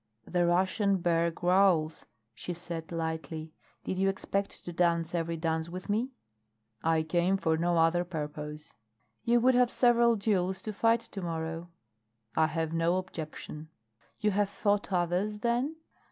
"The Russian bear growls," she said lightly. "Did you expect to dance every dance with me?" "I came for no other purpose." "You would have several duels to fight to morrow." "I have no objection." "You have fought others, then?"